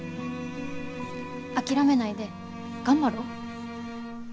諦めないで頑張ろう。